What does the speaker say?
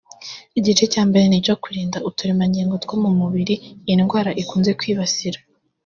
Igice cya mbere ni icyo kurinda uturemangingo two mu mubiri iyi ndwara ikunze kwibasira